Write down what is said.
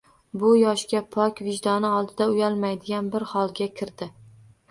Bu yoshga pok, vijdoni oldida uyalmaydigan bir holda kirdi.